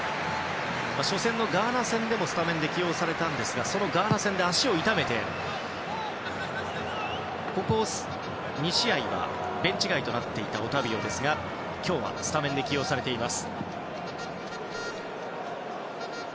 初戦のガーナ戦でもスタメンで起用されましたがそのガーナ戦で足を痛めてここ２試合はベンチ外となっていたオタビオですが今日はスタメンで起用されています。